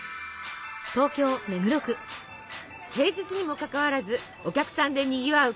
平日にもかかわらずお客さんでにぎわう